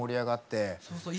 そうそう。